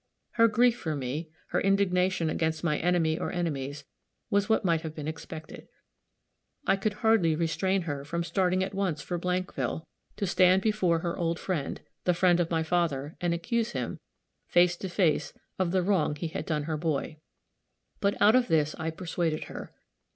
Her grief for me, her indignation against my enemy or enemies, was what might have been expected. I could hardly restrain her from starting at once for Blankville, to stand before her old friend, the friend of my father, and accuse him, face to face, of the wrong he had done her boy. But, out of this I persuaded her.